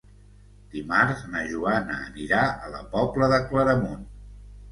Dimarts na Joana anirà a la Pobla de Claramunt.